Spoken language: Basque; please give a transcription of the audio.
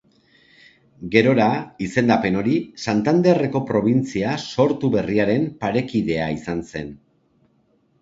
Gerora, izendapen hori Santanderreko probintzia sortu berriaren parekidea izan zen.